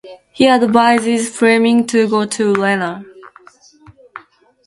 He advises Fleming to go to Lena.